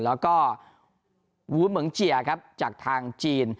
แล้วก็วูเหมืองเจียครับจากทางจีน